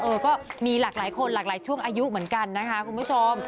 ก็มีหลากหลายคนหลากหลายช่วงอายุเหมือนกันนะคะคุณผู้ชม